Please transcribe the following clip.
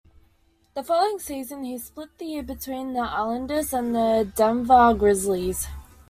The following season, he split the year between the Islanders and the Denver Grizzlies.